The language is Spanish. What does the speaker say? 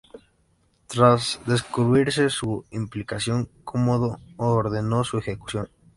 Tras descubrirse su implicación, Cómodo ordenó su ejecución.